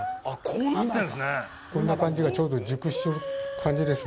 こんな感じがちょうど熟してる感じです。